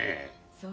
そう？